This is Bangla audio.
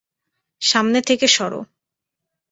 সামনে থেকে সরো!